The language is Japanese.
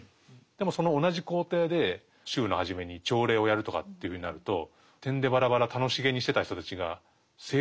でもその同じ校庭で週の初めに朝礼をやるとかっていうふうになるとてんでばらばら楽しげにしてた人たちが整列するわけですよね。